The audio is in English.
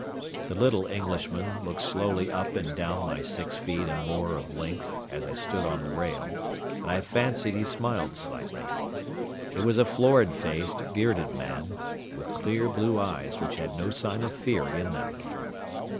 The little Englishman looked slowly up and down my six feet and more of length as I stood on the rail, and I fancied he smiled slightly. He was a florid faced, bearded man, with clear blue eyes which had no sign of fear in them.